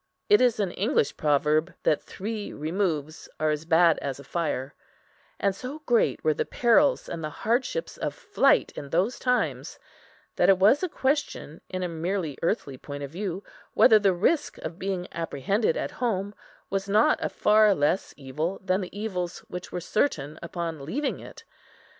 It is an English proverb that three removes are as bad as a fire; and so great were the perils and the hardships of flight in those times, that it was a question, in a merely earthly point of view, whether the risk of being apprehended at home was not a far less evil than the evils which were certain upon leaving it.